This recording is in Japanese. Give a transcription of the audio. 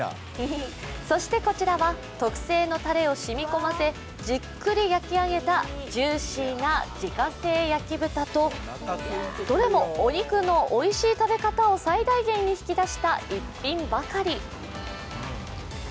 そして、こちらは特製のたれを染み込ませじっくり焼き上げたジューシーな自家製焼豚と、どれもお肉のおいしい食べ方を最大限に引き出した逸品ばかり。